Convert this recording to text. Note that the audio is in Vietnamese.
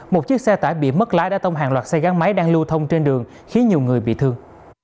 một chiếc xe tải bị mất lái đã tông hàng loạt xe gắn máy đang lưu thông trên đường khiến nhiều người bị thương